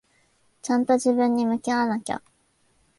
ちゃんと自分に向き合わなきゃ。